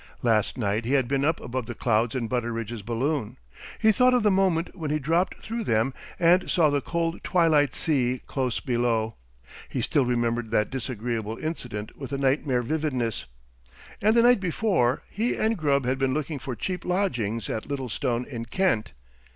Last night he had been up above the clouds in Butteridge's balloon. He thought of the moment when he dropped through them and saw the cold twilight sea close below. He still remembered that disagreeable incident with a nightmare vividness. And the night before he and Grubb had been looking for cheap lodgings at Littlestone in Kent.